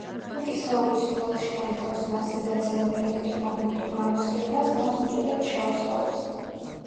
თუკი სხეული სრულად შთანთქავს მასზე დაცემულ ელექტრომაგნიტურ გამოსხივებას, მას ვუწოდებთ შავ სხეულს.